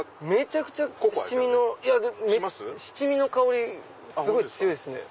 七味の香りすごい強いですね。